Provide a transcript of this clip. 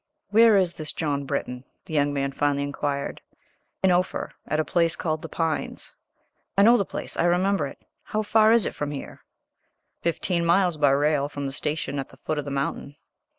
"Where is this John Britton?" the young man finally inquired. "In Ophir at a place called The Pines." "I know the place; I remember it. How far is it from here?" "Fifteen miles by rail from the station at the foot of the mountain."